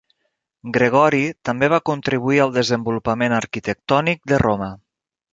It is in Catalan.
Gregori també va contribuir al desenvolupament arquitectònic de Roma.